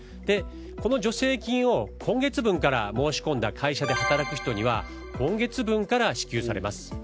この助成金を今月分から申し込んだ会社で働く人には今月分から支給されます。